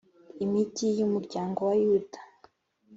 Imigi y umuryango wa Yuda